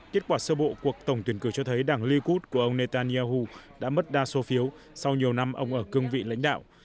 kết quả sơ bộ cuộc tổng tuyển cử cho thấy đảng likud của ông netanyahu đã mất đa số phiếu sau nhiều năm ông ở cương vị lãnh đạo